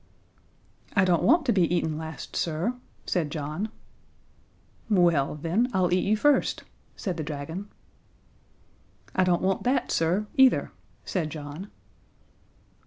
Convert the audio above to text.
"I don't want to be eaten last, sir," said John. "Well then, I'll eat you first," said the dragon. "I don't want that, sir, either," said John.